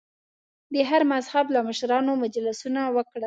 د هر مذهب له مشرانو مجلسونه وکړل.